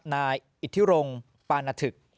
นายอิทธิรงปานถึก